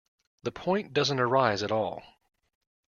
The point doesn't arise at all.